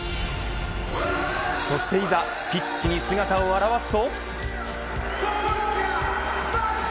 そしていざピッチに姿を現すと。